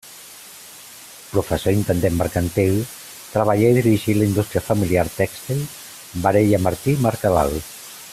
Professor i Intendent Mercantil, treballà i dirigí la indústria familiar tèxtil Barella Martí i Mercadal.